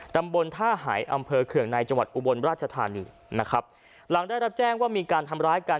ตำบลท่าหายอำเภอเคืองในจังหวัดอุบลราชธานีนะครับหลังได้รับแจ้งว่ามีการทำร้ายกัน